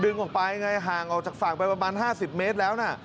ออกไปไงห่างออกจากฝั่งไปประมาณ๕๐เมตรแล้วนะ